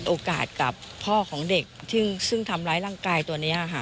กับพ่อของเด็กซึ่งทำร้ายร่างกายตัวนี้ค่ะ